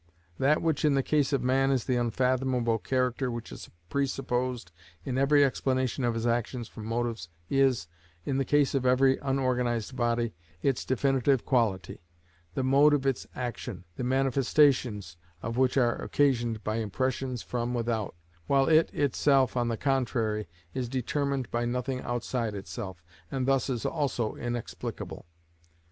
That which in the case of man is the unfathomable character which is presupposed in every explanation of his actions from motives is, in the case of every unorganised body, its definitive quality—the mode of its action, the manifestations of which are occasioned by impressions from without, while it itself, on the contrary, is determined by nothing outside itself, and thus is also inexplicable.